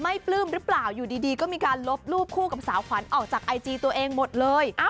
ปลื้มหรือเปล่าอยู่ดีก็มีการลบรูปคู่กับสาวขวัญออกจากไอจีตัวเองหมดเลย